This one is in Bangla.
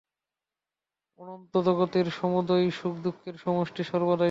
অনন্ত জগতের সমুদয় সুখদুঃখের সমষ্টি সর্বদাই সমান।